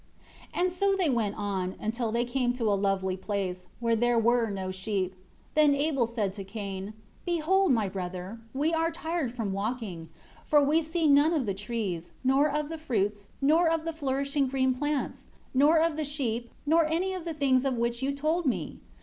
1 And so they went on, until they came to a lonely place, where there were no sheep; then Abel said to Cain, "Behold, my brother, we are tired from walking; for we see none of the trees, nor of the fruits, nor of the flourishing green plants, nor of the sheep, nor any one of the things of which you told me.